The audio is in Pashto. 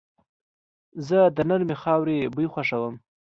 زه د نرمې خاورې بوی خوښوم.